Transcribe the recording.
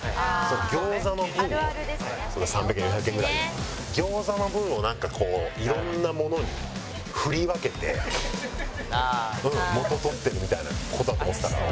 餃子の分を３００円４００円ぐらい餃子の分をなんかこういろんなものに振り分けて元取ってるみたいな事だと思ってたから。